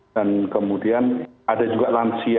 dan kemudian ada juga lansia